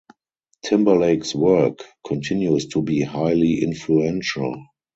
Timberlake’s work continues to be highly influential.